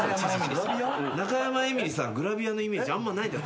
中山エミリさんグラビアのイメージあんまないんだよ。